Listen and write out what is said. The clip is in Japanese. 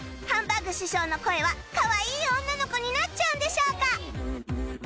ハンバーグ師匠の声はかわいい女の子になっちゃうんでしょうか？